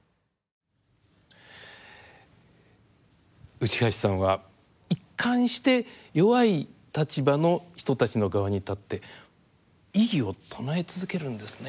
内橋さんは一貫して弱い立場の人たちの側に立って異議を唱え続けるんですね。